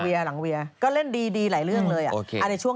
ไม่ต้องดูแล้ว